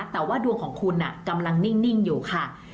แต่ว่าดวงของคุณกำลังนิ่งอยู่ค่ะ